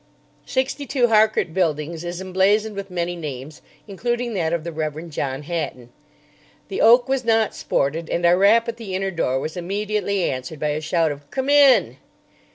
Sixty two Harcourt Buildings is emblazoned with many names, including that of the Rev. John Hatton. The oak was not sported, and our rap at the inner door was immediately answered by a shout of "Come in!"